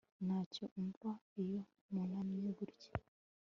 Ntacyo Umva Iyo nunamye gutya